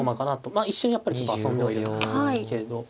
まあ一瞬やっぱり遊んではいるんですけど。